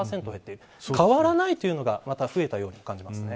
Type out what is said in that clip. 変わらないというのがまた増えたように感じますね。